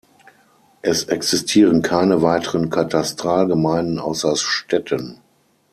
Es existieren keine weiteren Katastralgemeinden außer Stetten.